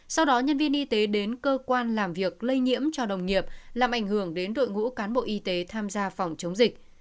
sau đó nhân viên y tế đến cơ quan làm việc lây nhiễm cho đồng nghiệp làm ảnh hưởng đến đội ngũ cán bộ y tế tham gia phòng chống dịch